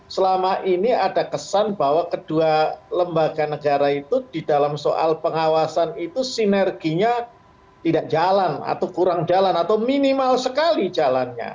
selama ini ada kesan bahwa kedua lembaga negara itu di dalam soal pengawasan itu sinerginya tidak jalan atau kurang jalan atau minimal sekali jalannya